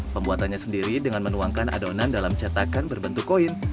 pembuatannya sendiri dengan menuangkan adonan dalam cetakan berbentuk koin